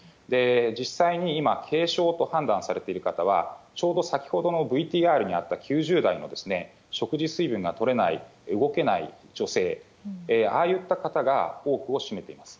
実際に今、軽症と判断されている方は、ちょうど先ほどのＶＴＲにあった９０代の、食事、水分がとれない、動けない女性、ああいった方が多くを占めています。